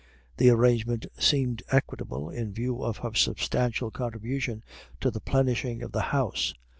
The arrangement seemed equitable in view of her substantial contribution to the plenishing of the house.